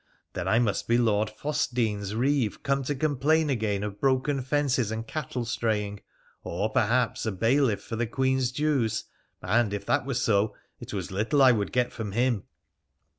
Then I must be Lord Fossedene's reeve come to complain again of broken fences and cattle straying, or, perhaps, a bailiff for the Queen's dues, and, if that were so, it was little I would get from him.